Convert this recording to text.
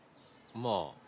まあ。